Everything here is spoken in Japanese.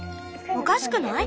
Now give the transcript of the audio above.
おかしくない？